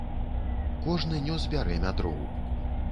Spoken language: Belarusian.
Кожны нёс бярэмя дроў.